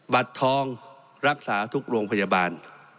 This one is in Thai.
บัตรทองรักษาทุกโรงพยาบาล